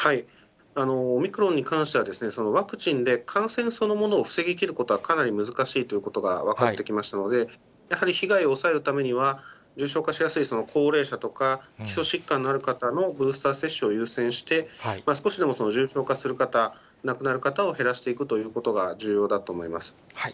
オミクロンに関しては、ワクチンで感染そのものを防ぎきることはかなり難しいということが分かってきましたので、やはり被害を抑えるためには、重症化しやすい高齢者とか、基礎疾患のある方のブースター接種を優先して、少しでも重症化する方、亡くなる方を減らしていくということが重要だと思います。